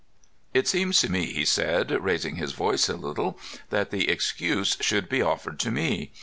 "It seems to me," he said, raising his voice a little, "that the excuse should be offered to me.